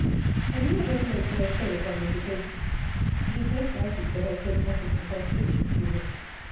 I do not recollect what I said upon this occasion. It is most likely that I said nothing in contradiction to him.